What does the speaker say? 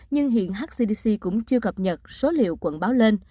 nhưng hiện hcdc cũng chưa cập nhật số liệu quận báo lên